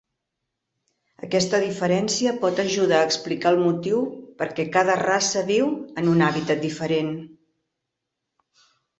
Aquesta diferència pot ajudar a explicar el motiu perquè cada raça viu en un hàbitat diferent.